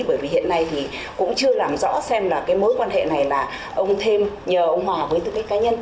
bởi vì hiện nay cũng chưa làm rõ xem mối quan hệ này là ông thêm nhờ ông hòa với tư cách cá nhân